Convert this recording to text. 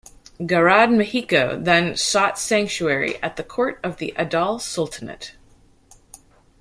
Garad Mahiko then sought sanctuary at the court of the Adal Sultanate.